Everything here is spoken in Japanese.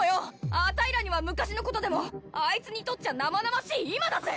あたいらには昔のことでもあいつにとっちゃ生々しい今だぜ！